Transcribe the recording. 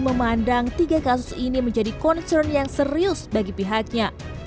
memandang tiga kasus ini menjadi concern yang serius bagi pihaknya